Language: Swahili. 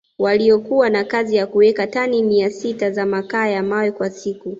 waliokuwa na kazi ya kuweka tani mia sita za makaa ya mawe kwa siku